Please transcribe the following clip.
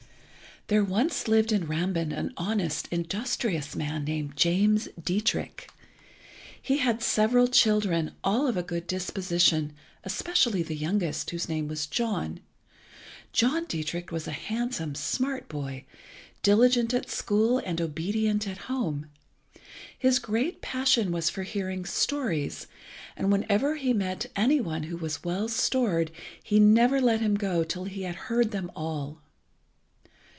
There once lived in Rambin an honest, industrious man, named James Dietrich. He had several children, all of a good disposition, especially the youngest, whose name was John. John Dietrich was a handsome, smart boy, diligent at school, and obedient at home. His great passion was for hearing stories, and whenever he met any one who was well stored he never let him go till he had heard them all.